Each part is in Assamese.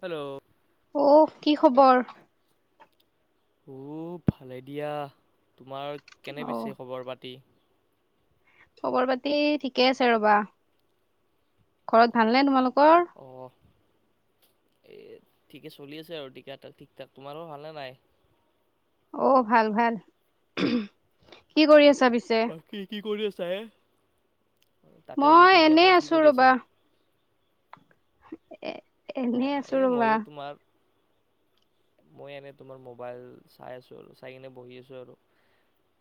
হেল্ল' অ' কি খবৰ উ ভালে দিয়া তোমাৰ কেনে অ' পিছে খবৰ পাতি। খবৰ পাতি ঠিকে আছে ৰবা, ঘৰত ভালনে তোমালোক অ' এই ঠিকে চলি আছে আৰু টিকা ঠিক থাক তোমাৰো ভালে নাই। অ' ভাল ভাল কি কৰি আছ। বাকী কি কৰি আছা হে। তাকে মই সুধিছো দিয়া এনেই কি আছো কৰি ৰবা। আছা এ অ এনে আছো এই ৰবা। ময়ো তোমাৰ মই এনে তোমাৰ মোবাইল চাই আছো আৰু চাই কিনে বহি আছো আৰু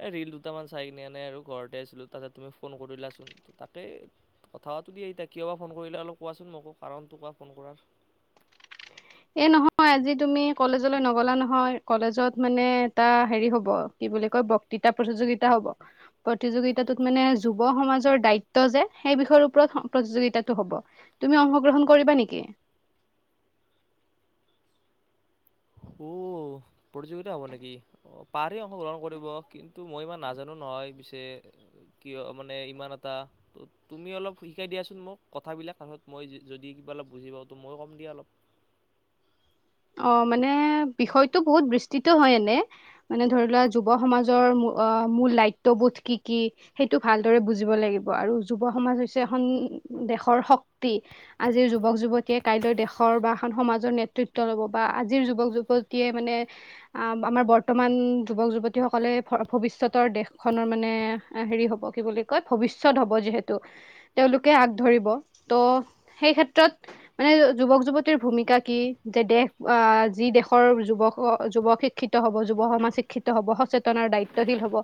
এ ৰিল দুটামান চাই কিনে আনে আৰু ঘৰতে আছিলো তাতে তুমি ফোন কৰিলাচোন তাকে থাৱো দিয়ে এতিয়া কিয় বা ফোন কৰিলে অলপ কোৱাচোন মোকো কাৰণটো কোৱা ফোন কৰাৰ [unintelligible] এ নহয় আজি তুমি কলেজলৈ নগলা নহয় কলেজত মানে এটা হেৰি হ'ব কি বুলি বক্তৃতাৰ প্ৰতিযোগিতা হ'ব। প্ৰতিযোগিতাত মানে যুৱ সমাজৰ দায়িত্ব যে সেই বিষয়ে। ওপৰত প্ৰতিযোগিতাটো হ'ব। তুমি অংশগ্ৰহণ কৰিবা নেকি? উ প্ৰতিযোগিতা হ'ব নেকি। অ' পাৰে অংশগ্ৰহণ কৰিব কিন্তু মই ইমান নাজানো ন। হয়, পিছে কিয় মানে ইমান এটা ত তুমি অলপ শিকাই দিয়াচোন মোক কথাবিলাকত তাৰপিছত মই যদি অলপ বুজি পাওতো মইো কম দিয়া অলপ। [unintelligible] অ' মানে বিষয়তটো বহুত বিস্তৃত হয় এনে মানে ধৰি লোৱা যুৱ সমাজৰ অ' মূল দায়িত্ববোধ কি কি সেইটো ভালদৰে বুজিব লাগিব আৰু যুৱ সমাজ হৈছে এখন দেশৰ শক্তি আজিৰ যুৱক যুৱতীয়ে কাইলৈ দেশৰ বা এখন সমাজৰ নেতৃত্ব ল'ব বা আজিৰ যুৱক যুৱতীয়ে মানে আমাৰ বৰ্তমান যুৱক যুৱতীসকলে ভৱিষ্যত দেশ খনৰ মানে ভৱিষ্যত হ'ব। লোকে আগ ধৰিব ত' সেই ক্ষেত্ৰত মানে যুৱক যুৱতীৰ ভূমিকা কি যে দেশ আহ যি দেশৰ যুৱক যুৱক শিক্ষিত হ'ব যুৱ সমাজ শিক্ষিত হ'ব সচেতন দায়িত্বশীল হ'ব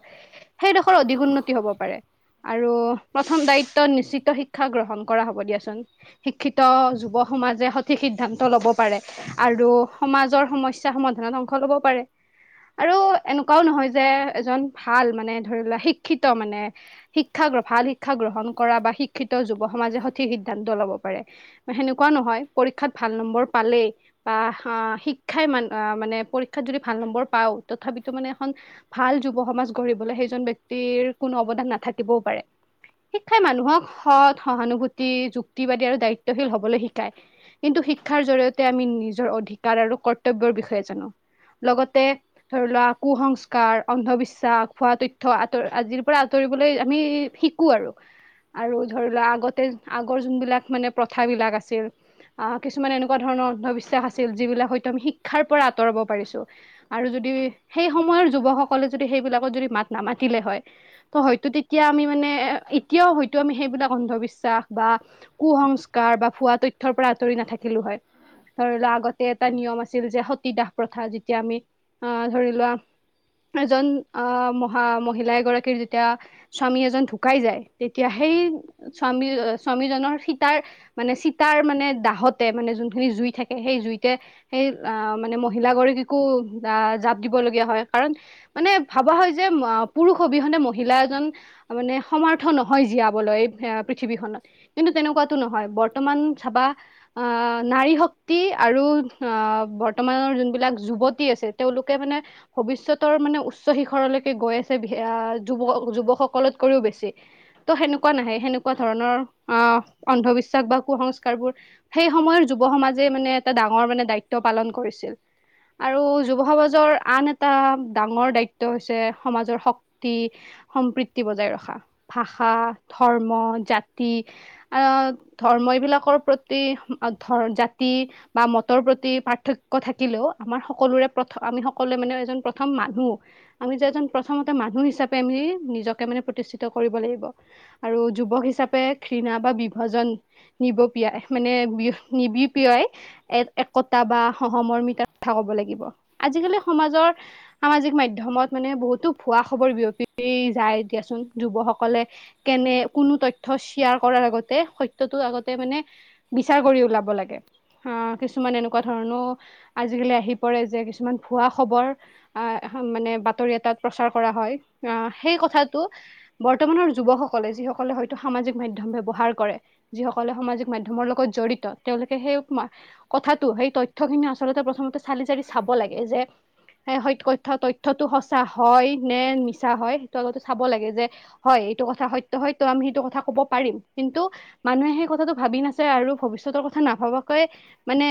সেইডখৰ অধিক উন্নতি হ'ব পাৰে। আৰু প্ৰথম দায়িত্ব নিশ্চিত শিক্ষা গ্ৰহণ কৰা হ'ব দিয়াচোন শিক্ষিত যুৱ সমাজে সঠিক সিদ্ধান্ত ল'ব পাৰে। আৰু সমাজৰ সমস্যা সমাধানত অংশ ল'ব পাৰে। আৰু এনেকুৱাও নহয় যে এজন ভাল মানে ধৰিলোৱা শিক্ষিত মানে শিক্ষা ভাল শিক্ষা গ্ৰহণ কৰা বা শিক্ষিত যুৱ সমাজে সঠিক সিদ্ধান্ত ল'ব পাৰে বা সেনেকুৱা নহয়। পৰীক্ষাত ভাল নম্বৰ পালেই বা আহ শিক্ষাই মান মানে পৰীক্ষাত যদি ভাল নম্বৰ পাওঁ তথাপিতো মানে এখন ভাল যুৱ সমাজ গঢ়িবলৈ সেইজন ব্যক্তিৰ কোনো অৱদান নাথাকিবও পাৰে। শিক্ষাই মানুহক সৎ সহানুভূতি যুক্তিবাদী আৰু দায়িত্বশীল হ'বলৈ শিকায়। কিন্তু শিক্ষাৰ জৰিয়তে আমি নিজৰ অধিকাৰ আৰু কৰ্তব্যৰ বিষয়ে জানো। লগতে ধৰি লোৱা কুসংস্কাৰ অন্ধবিশ্বাস খোৱা তথ্য আতৰ আজিৰ পৰা আঁতৰি কৰিবলৈ আমি শিকো আৰু আৰু ধৰি লোৱা আগতে আগৰ যোনবিলাক মানে প্ৰথা বিলাক আছিল। অ' কিছুমান এনেকুৱা ধৰণৰ অন্ধবিশ্বাস আছিল যিবিলাক হয়তো আমি শিক্ষাৰ পৰা আঁতৰাব পাৰিছো আৰু যদি সেই সময় যুব সকলো যদি সেই বিলাকত যদি মাত নামাতিলে হয় হয় তেতিয়া আ ম এতিয়া হয়তো আমি সেইবিলাক অন্ধবিশ্বাস বা কুসংস্কাৰ বা ভুৱ তথ্যৰ পৰা আঁতৰি নাথাকিলো হয়। ধৰি লোৱা আগতে এটা নিয়ম আছিল যে সতীদাহ প্ৰথা যেতিয়া আমি আহ ধৰি লোৱা এজন আহ মহা মহিলা এগৰাকীৰ যেতিয়া স্বামী এজন ঢুকাই যায় তেতিয়াহে সেই স্বামী স্বামীজনৰ সীতাৰ মানে চিতাৰ মানে দাহতে মানে যোনখিনি জুই থাকে সেই জুইতে সেই আহ মানে মহিলাগৰাকীকো আহ জাপ দিব লগীয়া হয়। কাৰণ মানে ভাবা হয় যে পুৰুষ অবিহনে মহিলা এজন মানে সমৰ্থ নহয় জীয়াবলৈ। পৃথিৱীখননত কিন্তু তেনেকুৱাতো নহয় বৰ্তমান চাবা আহ নাৰী শক্তি আৰু আহ বৰ্তমানৰ যোনবিলাক যুৱতী আছে তেওঁলোকে মানে ভৱিষ্যত মানে উচ্চ শিখৰলৈকে গৈ আছে যুৱ যুৱকসকলতকও বেছি ত' সেনেকুৱা নাই আহে সেনেকুৱা ধৰণৰ আহ অন্ধবিশ্বাস বা কুসংস্কাৰবোৰ সেই সময়ৰ যুৱ সমাজ যে মানে এটা ডাঙৰ মানে দায়িত্ব পালন কৰিছিল। আৰু যুৱ সমাজৰ আন এটা ডাঙৰ দায়িত্ব হৈছে সমাজৰ শক্তি। সম্প্ৰীতি বজাই ৰখা ভাষা ধৰ্ম জাতি আহ ধৰ্ম। ধৰ্ম এইবিলাকৰ প্ৰতি ধৰ্ম বা মতৰ প্ৰতি পাৰ্থক্যৰ থাকিলেও আমাৰ সকলোৰে প্ৰথম আমি সকলোৱে মানে এজন প্ৰথম মানুহ আমি যে এজন প্ৰথমতে মানুহ হিচাপে আমি নিজকে মানে প্ৰতিষ্ঠিত কৰিব লাগিব। আৰু যুৱক হিচাপে ঘৃণা বা বিভজন নিবপিয় মানে নিবি প্ৰিয়য় এক একতা বা সহৰ্মিতাৰ কথা ক'ব লাগিব আজিকালি সমাজৰ সামাজিক মাধ্যমত মানে বহুতো ভুৱা খবৰ বিয়পি যায়। দিয়াচোন যুৱসকলে কে এনে কোনো তথ্য শ্বেয়াৰ কৰাৰ আগতে সত্য তো আগতে মানে বিচাৰ কৰি ওলিয়াব লাগে। অ, কিছুমান এনেকুৱা ধৰণো আজিকালি আহি পৰে যে কিছুমান ভুৱা খবৰ আহ মানে বাতৰি এাত প্ৰচাৰ কৰা হয়। আহ সেই কথাটো বৰ্তমানৰ যুৱকসকলে যিলে হয় সাজিক মাধম ব্যৱহাৰ কৰে, যিসকলে সাজিক মাধ্যমৰ লগত জড়িত তেওঁলোকে সেই কথাাতটো সেই তথ্যখিনি আচলতে প্ৰথমতে চালি চাৰি চাব লাগে যে- হেয়থ তথ্যতটো সঁচা হয় নে মিছা হয় সেইটো আচলতে চাব লাগে। যে হয় এইটো কথা সত্য হয় আমি সেইটো কথা ক'ব পাৰিম। কিন্তু মানুহে সেই কথাটো ভাবি নাছাই আৰু ভৱিষতৰ কথা নাভবক মানে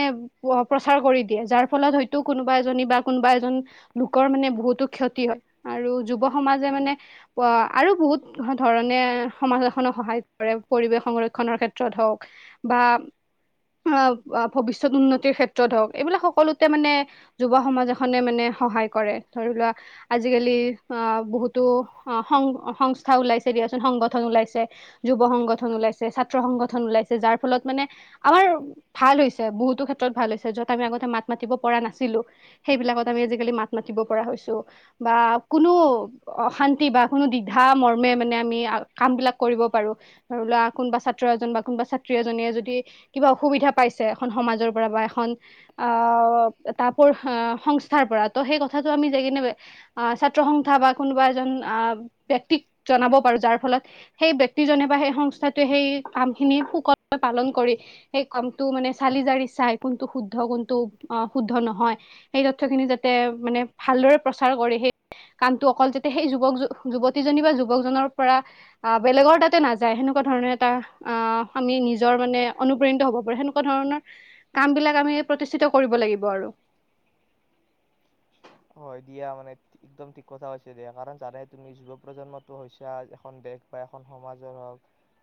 প্ৰচাৰ কৰি দিয়ে যাৰ ফলত হয়তো কোনোবা এজনী বা কোনোবা এজন লোক মানে বহুতো ক্ষতি হয় আৰু যুৱ সমাজে মানে আৰু বহুত ধৰণে সমাজ এখনত সহায় কৰে পৰিৱেশ সংৰক্ষনৰৰ ক্ষেত্ৰত হওঁক বা অ' ভৱিষ্যত উন্নতিৰ ক্ষেত্ৰত হওঁক এইবিলাক সকলোতে মানে যুৱ সমাজ এখনে মানে সহায় ধৰি লোৱা আজিকালি অ' বহুতো অ সং সংস্থা ওলাইছে। দিয়াচোন সংগঠন ওলাইছে যুৱ সংগঠন ওলাইছে ছাত্ৰ সংগঠন ওলাইছে যাৰ ফলত মানে আমাৰ ভাল হৈছে বহুতো ক্ষেত্ৰত ভাল হৈছে। যত আমি আগতে মাত মাতিব পৰা নাছিলোঁ, সেইবিলাকত আমি আজিকালি মাত মাতি মাতিতব পৰা হৈছো, বা কোনো অশান্তি বা কোনো দিধা মৰ্মে মানে আমি কাম বিলাক কৰিব পাৰো। কোন ছাত্ৰ এজন কোনা ছাত্ৰী এজনী যদি কিবা অসুবিধা পায়। এখন সমাজৰ পৰা বা এখন তাপোৰ সংস্থাৰ পৰা সেই কথা তাতো আমি যাই কিনে নে ছাত্ৰ সংন্স্থা বা কোনোবা এজন এজন ব্যক্তিৰ জনাব পাৰো। যাৰ ফলত সেই ব্যক্তিজনে বা সেই সংস্থাটোৱে সেই কাম খিনি সুকলে পালন কৰি সেই কাম টো চালি যাৰ চাই কোনটো শুদ্ধ কোনটো শুদ্ধ নহয় সেই তথ খিনি যাতে মানে ভালদৰে প্ৰচাৰ কৰে। সেই কামটো অকল সেই সেই যুৱক যুৱতীজনী বা যুৱকজনৰ পৰা অ' বেলেগৰ তাতে নাযায় সেনেকুৱা ধৰণে এটা অআ আমি নিজৰ মানে অনুপ্ৰাণিত হ'ব পাৰ সেনেকুৱা তে ধৰণৰ কাম বিলাক আমি প্ৰতিষ্ঠিত কৰিব লাগিব আৰু হয় দিয়া মানে একদম ঠিক কথা কৈছা, দিয়া কাৰণ জানে তুমি যুৱ প্ৰজন্মতো হৈছেছা এখন দেশ বা এখন সমাজৰ হওঁক।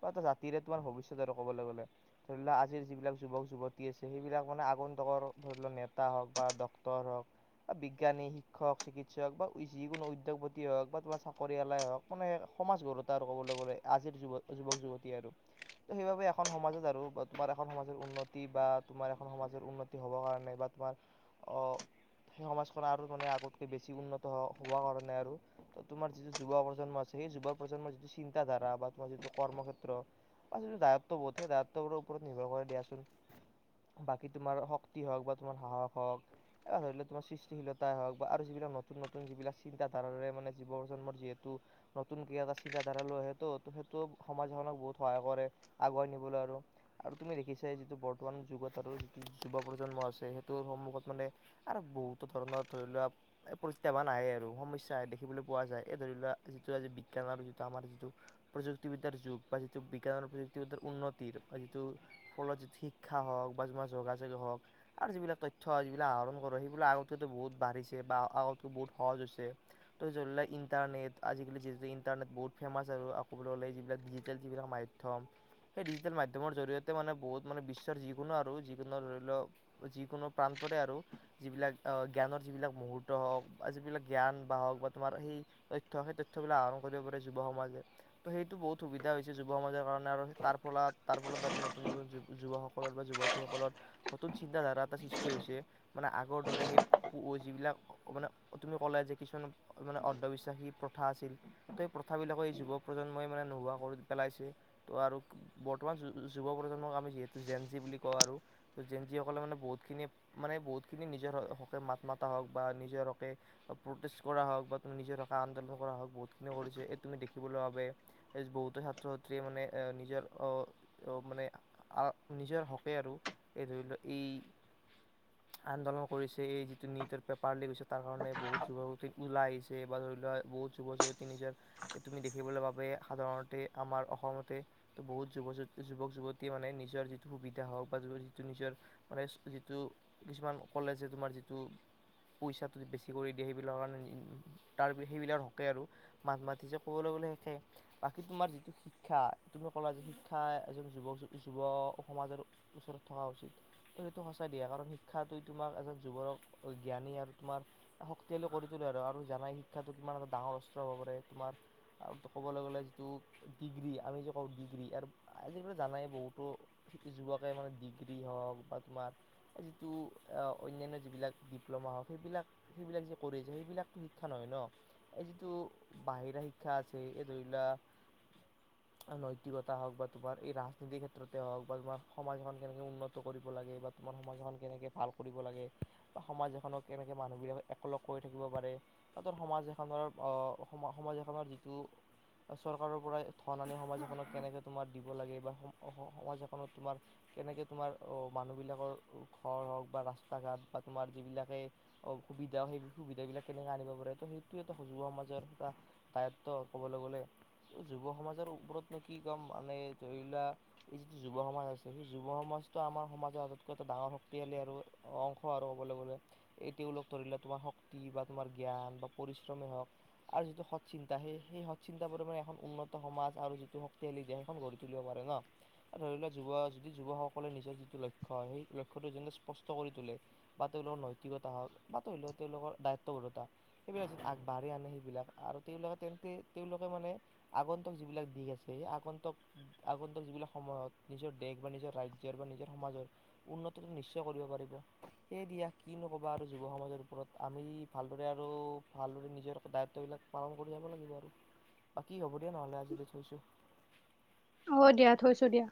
এটা জাতিৰে তোমাৰ ভৱিষ্যত আৰু ক'বলৈ গ'লে ধৰি লওোৱা আজিৰ যিবিলাক যুৱক যুৱতী আছে সেইবিলাক মানে আগত [unintelligible] ধৰি লোৱা নেতা হওঁক ডক্তৰ হক বিজ্ঞা বিজ্ঞানী শিক্ষক চিকিৎসক বা যিকোনো উদ্যোগপতি হওঁক বা তোমাৰ চাকৰিয়ালাই হওঁক মানে সমাজ [unintelligible] ক'বলৈ গ'লে আজিৰ যুৱ যুৱক যুৱতী আৰু ত সেইবাবে এখন সমাজত আৰু তোমাৰ এখন সমাজৰ উন্নতি বা তোমাৰ এখন সমাজৰ উন্নতি হ'ব কাৰণে বা তোমাক [unintelligible] সেই সমাজখন। আৰু মানে আগতকে বেছি উন্নত হোৱা কাৰণে আৰু ত তোমাৰ যিটো যুৱ প্ৰজন্ম আছে সেই যুৱ প্ৰজন্ম। তোমাৰ যিটো চিন্তাধাৰা বা তোমাৰ যিটো কৰ্মক্ষেত্ৰ। প দায়িত্ব বোধ সেই দায়িত্ববোৰ ওপৰত নিৰ্ভৰ কৰে দিয়াচোন। বাকী তোমাৰ শক্তি হওঁক বা তোমাৰ সাহস হওঁক এ ধৰিলে তোমাৰ সৃষ্টি চিভিলতাই হওঁক বা আৰু যিবিলাক নতুন নতুন যিবিলাক চিন্তাধাৰাৰে মানে জীৱ প্ৰজন্মৰ যিহেতু নতুনকে এটা চিন্তাধাৰা লয়, সেইটো ত সেইটো সমাজ এখনক বহুত সহায় কৰে, আগুৱাই নিবলৈ আৰু তুমি দেখা বাকিছে যিটো বৰ্তমান যুগত আৰু যিটো যুৱ প্ৰজন্ম আছে। সেইটোৰ সন্মুখত মানে আৰু বহুত বহুতো ধৰণৰ ধৰি লোৱা পৰিস্থিতিৰ এই বোৰ নাই আৰু সমস্যা দেখিবলৈ পোৱা যায়, ধৰিলোৱা যিটো আজি বিজ্ঞান যিটো আমাৰ যিটো প্ৰযুক্তিবিদ্যাৰ যুগ বা যিটো বিজ্ঞান আৰু প্ৰযুক্তিবিদ্যাৰ উন্নতিৰ বা যিটো ফলত যি শিক্ষা হওঁক বা যাৰ যোগাযোগ হওঁক আৰু যিবিলাক তথ্য যিবিলাক আহৰণ কৰো সেইবিলাক আগত কোনো বহুত বাঢ়িছে বা আগতকৈ বহুত সহজ হৈছে ত ধৰি ইণ্টাৰনেট আজিকালি যিহেত ইনণ্টাৰ ইণ্টাৰনেট বহুত ফেমাছ আৰু আকৌলে যিবিলাক ডিজিটেল যিবাক মাধ্যম সেই ডিজিটেল মাধ্যমৰ জৰিয়তে মানে বহুত মানে বিশ্বৰ যিকোনো আৰু যিকোনো ধৰি লও যিকোনো প্ৰান্ত তৰে আৰু যিবিলাক জ্ঞানৰ যিবিলাক মুহূৰ্ত হওঁক বা যিবিলাক জ্ঞান বা হওঁক বা তোমাৰ সেই তথ্য সেই তথ্যবিলাক কৰিব পাৰে যুৱ সমাজে তো সেইটো বহুত সুবিধা হৈছে যুৱ সমাজৰ কাৰণে আৰু তাৰ ফলত তাৰ ফলত আৰু নতুন নতুন যুৱকসকলৰ বা যুৱতীসকলৰ নতুন চিন্তাধাৰা এটা সৃষ্টি হৈছে মানে। আগৰ দৰে সেই যিবিলাক মানে তুমি ক'লে যে কিছুমান মানে অন্ধবিশ্বাসী প্ৰথা আছিল। প্ৰথাবিলাকে এই যুৱ প্ৰজন্মই মানে নোহোৱা কৰি পেলাইছে ত আৰু বৰ্তমান যুৱ প্ৰজন্ম আমি যিহেতু জেন জি বুলি কওঁ আৰু জেনিসলে মানে বহুতখিনি মানে বহুতখিনি নিজৰ মাত মাতা হওঁক বা নিজৰ হকে প্ৰটেষ্ট কৰা হওঁক বা তুমি ম নিজৰ হকে আন্দোলন কৰা হওঁক বহুতখিনি কৰি যে এই তুমি দেখিবলৈ বাবে বহুতো ছাত্ৰ ছাত্ৰীয়ে মানে এ নিজৰ আহ মানে আহ নিজৰ হকে আৰু এই ধৰি লওঁক। এই [unintelligible] আন্দোলন কৰিছে। এই যিটো নিউটৰ পেপাৰ লীক হৈছে, তাৰ কাৰণে বহুত যুৱতী ওলাই আহিছে, বা ধৰি লোৱা বহুত যুৱ যুৱতী যে তুমি দেখিবলৈ বাবে সাধাৰণতে আমাৰ অসমতে বহুত যুৱক যুৱতী মানে নিজৰ যিটো সুবিধা হওঁক বা যিটো নিজৰ মানে যিটো কিছুমান কলেজ তোমাৰ যিটো পইচাটো বেছি কৰি দিয়ে সেইবিলাকৰ কাৰনে তাৰ সেইবিলাৰ হকে আৰু মাত মাতি যে ক'ব [unintelligible] বাকী তোমাৰ যিটো শিক্ষা তুমি ক'লা যে শিক্ষা এজন যুৱ সমাজৰ ওচৰত থকা উচিত ত' সেইটো সঁচাই দিয়া কাৰণ শিক্ষাটো তোমাক এজন যুৱোৰক জ্ঞানী আৰু তোমাৰ শক্তিশালী কৰি তোলে আৰু আৰু জানাই শিক্ষাটো কিমান এটা ডাঙৰ অস্ত্ৰ হ'ব [unintelligible] তোমাৰ ক'বলৈ গ'লে যিটো ডিগ্ৰী আমি যে কওঁ ডিগ্ৰী ই আজিকালি জানায়ে বহুতো যুৱকে মানে ডিগ্ৰী হওক বা তোমাৰ যিটো অন্যান্য যিবিলাক ডিপ্ল'মা হওঁক। সেইবিলাক সেইবিলাক যে কৰিছে সেইবিলাকতো শিক্ষা নহয় ন এই যিটো বাহিৰা শিক্ষা আছে এই ধৰিলা [unintelligible] নৈতিকতা হওঁক বা তোমাৰ এই ৰাজনীতিৰ ক্ষেত্ৰতে হওঁক বা তোমাৰ সমাজখন কেনেকৈ উন্নত কৰিব লাগে বা সময় সমাজ এখন কেনেকে ভাল কৰিব লাগে বা সমাজ এখনক কেনেকৈ মানুহবিলাক এককলগ কৰি থাকিব পাৰে, তাতো সমাজ এখনৰ অ' সম সমাজ এখনৰ যিটো চৰকাৰৰ পৰাই ধন আনি সমাজ এখনক কেনেকে তোমাৰ দিব লাগে, বা সমাজ এখনত তোমাৰ কেনেক তোমাৰ মানুহবিলাকৰ ঘৰ হওক বা ৰাস্তা ঘাট বা তোমাৰ যিবিলাকে এ, সুবিধা সেই সুবিধাবিলাক কেনেকে আনিব পাৰে ত' সেইটোৱেতো যুৱ সমাজৰ এটা দায়ত্ব কবলৈ গ'লে। যুৱ সমাজৰ ওপৰতনো কি ক'ম মানে ধৰি লোৱা, এই যিটো যুৱ সমাজ আছে সেই যুৱ সমাজ [unintelligible] আমাৰ সমাজত আটতকৈ এটা ডাঙৰ শক্তিশালী আৰু অংশ আৰু ক'বলৈ গ'লে, এই তেওঁলোক ধৰি লোৱা তোমাৰ শক্তি বা তোমাৰ জ্ঞান বা পৰিশ্ৰমেই হওক আৰু যিটো সৎ চিন্তা সেই সেই সৎ চিন্তা বোৰ মানে এখন উন্নত সমাজ আৰু যিটো শক্তিশালী দেশখন গঢ়ি তোলে। ধৰিব পাৰে ন' ধৰি ল যুৱ যদি যুৱসকলে নিজৰ যিটো লক্ষ্য, সেই লক্ষ্যটো স্পষ্ট [unintelligible] কৰি তোলে বা তেওঁলোকৰ নৈতিকতা হওক বা ধৰি লওক তেওঁলোকৰ দায়িত্ব ঘোৰতা সেইবিলাক য আগবাঢ় আনে সেইবিলাক আৰু তেওঁলোকে তেন্তে তেওঁলোকে মানে আগন্তক যিবিলাক দিশ আছে আগন্তক আগন্তুক যিবিলাক সময়ত নিজৰ দেশ বা নিজৰ ৰাজ্যৰ বা নিজৰ সমাজৰ উন্নতটো নিশ্চয় কৰিব পাৰ [inaudible] হে দিয়া কি নোকবা আৰু যুৱ সমাজৰ ওপৰত আমি ভালদৰে আৰু ভালদৰে নিজৰ দায়িত্ববিলাক পালন কৰি যাব লাগিব আৰু বাকি হ'ব দিয়া নহ'লে আজিলৈ থৈছো। অ', দিয়া থৈছো দিয়া।